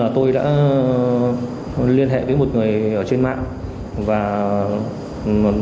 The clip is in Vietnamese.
tôi đã liên hệ với một người trên mạng